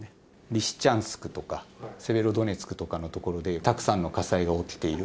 リシチャンスクとか、セベロドネツクとかの所で、たくさんの火災が起きている。